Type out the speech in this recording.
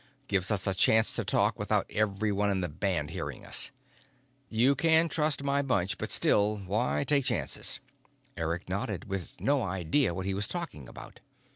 Gives us a chance to talk without everyone in the band hearing us. You can trust my bunch, but still, why take chances?" Eric nodded, with no idea what he was talking about.